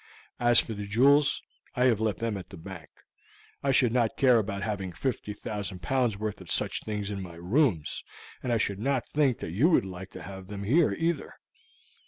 As for the jewels, I have left them at the bank; I should not care about having 50,000 pounds worth of such things in my rooms and I should not think that you would like to have them here, either."